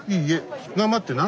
頑張ってな。